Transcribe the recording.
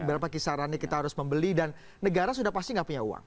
berapa kisarannya kita harus membeli dan negara sudah pasti nggak punya uang